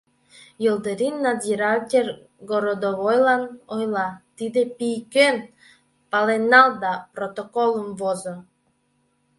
Елдырин, — надзиратель городовойлан ойла, — тиде пий кӧн, пален нал да протоколым возо!